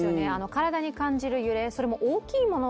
体に感じる揺れそれも大きいもの